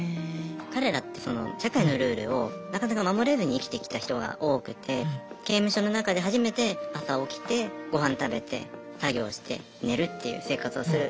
彼らってその社会のルールをなかなか守れずに生きてきた人が多くて刑務所の中で初めて朝起きてごはん食べて作業して寝るっていう生活をする